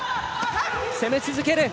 攻め続ける。